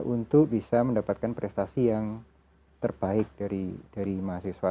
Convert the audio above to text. untuk bisa mendapatkan prestasi yang terbaik dari mahasiswa